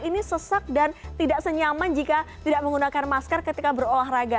ini sesak dan tidak senyaman jika tidak menggunakan masker ketika berolahraga